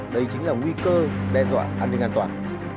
đây chính là nguy cơ đe dọa an ninh an toàn